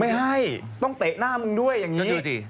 ไม่ให้ต้องเตะหน้ามึงด้วยอย่างนี้ดูสิ